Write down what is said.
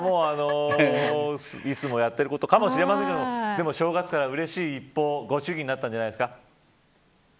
いつもやっていることかもしれませんが正月からうれしい一報ご祝儀になったんじゃないですか。